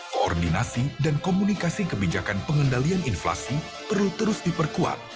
koordinasi dan komunikasi kebijakan pengendalian inflasi perlu terus diperkuat